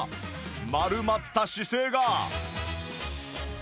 丸まった姿勢が